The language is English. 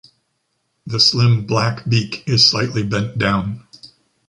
The slim black beak is slightly bent down.